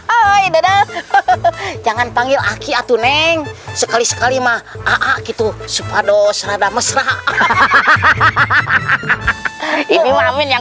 hahaha jangan panggil aki atuh neng sekali sekali mah gitu supado serada mesra hahaha ini mamin